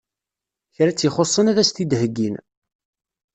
Kra tt-ixuṣṣen ad as-t-id-heggin.